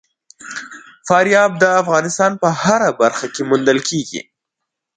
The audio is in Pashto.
فاریاب د افغانستان په هره برخه کې موندل کېږي.